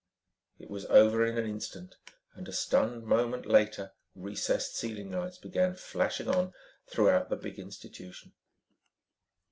It was over in an instant, and a stunned moment later, recessed ceiling lights began flashing on throughout the big institution.